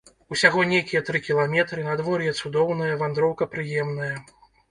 Усяго нейкія тры кіламетры, надвор'е цудоўнае, вандроўка прыемная.